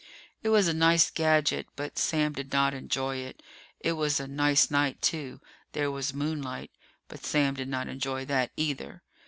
It was a nice gadget, but Sam did not enjoy it. It was a nice night, too. There was moonlight. But Sam did not enjoy that, either.